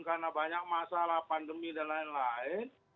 karena banyak masalah pandemi dan lain lain